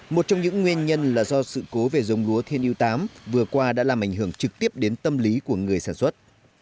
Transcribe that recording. một trong những nguyên nhân là do sự cố về dông lúa thiên yếu tám vừa qua đã làm ảnh hưởng trực tiếp đến tâm lý của người sản xuất